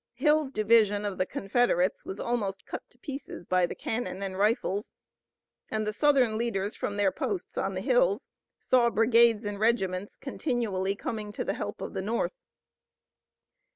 Hill's division of the Confederates was almost cut to pieces by the cannon and rifles, and the Southern leaders from their posts on the hills saw brigades and regiments continually coming to the help of the North.